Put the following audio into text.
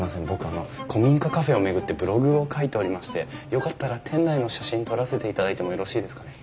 あの古民家カフェを巡ってブログを書いておりましてよかったら店内の写真撮らせていただいてもよろしいですかね？